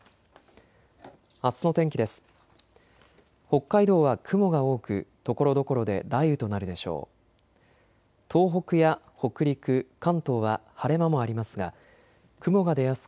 あすの天気です。